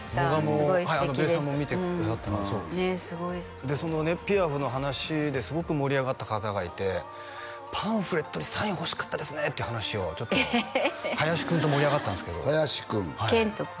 すごい素敵でしたべーさんも見てくださったでそのね「ピアフ」の話ですごく盛り上がった方がいてパンフレットにサイン欲しかったですねって話をちょっと林君と盛り上がったんですけど遣都君？